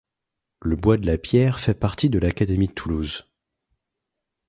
Le Bois-de-la-Pierre fait partie de l'académie de Toulouse.